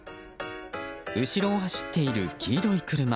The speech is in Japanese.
後ろを走っている黄色い車。